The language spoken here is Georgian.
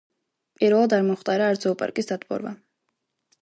პირველად არ მომხდარა არც ზოოპარკის დატბორვა.